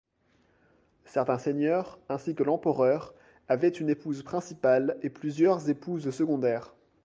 Certains seigneurs, ainsi que l'empereur, avait une épouse principale et plusieurs épouses secondaires.